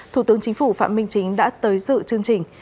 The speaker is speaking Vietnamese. thủ tướng chính phủ phạm minh chính đã tới dự chương trình